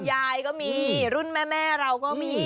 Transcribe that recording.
ยายก็มีรุ่นแม่เราก็มี